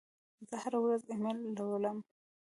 زه هره ورځ ایمیل لولم.